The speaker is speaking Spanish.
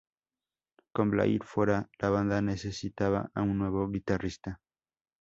Con Blair fuera, la banda necesitaba a un nuevo guitarrista.